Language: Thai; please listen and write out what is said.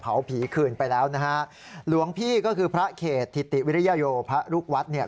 ผีคืนไปแล้วนะฮะหลวงพี่ก็คือพระเขตธิติวิริยโยพระลูกวัดเนี่ย